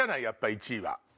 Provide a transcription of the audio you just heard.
やっぱ１位は。